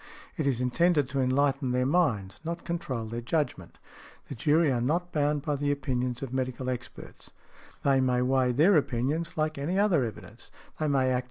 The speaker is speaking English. It is intended to enlighten their minds, not control their judgment . The jury are not bound by the opinions of medical experts: they may weigh their opinions like any other evidence.